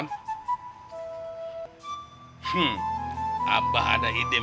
hmm abah ada ide